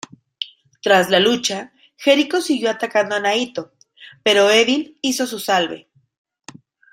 Tras la lucha, Jericho siguió atacando a Naito pero Evil hizo su salve.